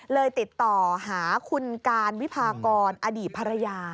เลยติดต่อหาคุณการวิพากรอดีตภรรยา